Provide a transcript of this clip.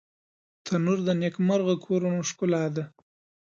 تنور د نیکمرغه کورونو ښکلا ده